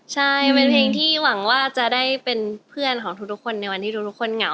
ใช่เป็นเพลงที่หวังว่าจะได้เป็นเพื่อนของทุกคนในวันที่ทุกคนเหงา